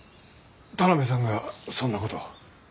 田邊さんがそんなことを。